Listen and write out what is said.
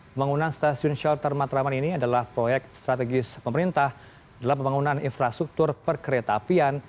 pembangunan stasiun shelter matraman ini adalah proyek strategis pemerintah dalam pembangunan infrastruktur perkereta apian